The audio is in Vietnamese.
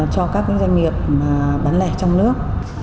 cho các doanh nghiệp bán lẻ trong nước